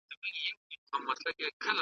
څه افسون دی پر لوېدلی آیینه هغسي نه ده ,